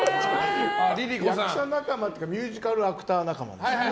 役者仲間というかミュージカルアクター仲間。